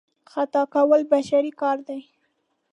خطا کول بشري کار دی.